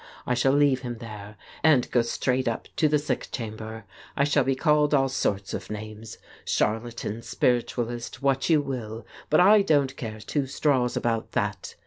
I shall leave him there, and go straight up to the sick chamber. I shall be called all sorts of names — charlatan, spiritualist, what you will — but I don't care two straws about that.